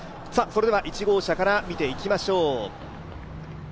１号車から見ていきましょう。